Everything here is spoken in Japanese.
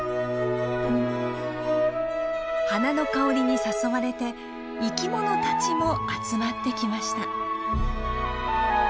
花の香りに誘われて生きものたちも集まってきました。